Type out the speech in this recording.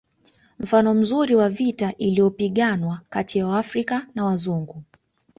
Mfano mzuri wa vita iliyopiganwa kati ya Waafrika na Wazungu